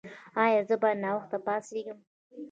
ایا زه باید ناوخته پاڅیږم؟